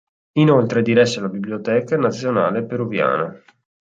Inoltre diresse la Biblioteca nazionale peruviana.